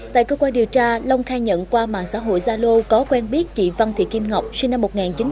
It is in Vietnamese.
tại cơ quan điều tra long khai nhận qua mạng xã hội zalo có quen biết chị văn thị kim ngọc sinh năm một nghìn chín trăm tám mươi